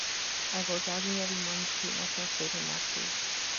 I go jogging every morning to keep myself fit and active.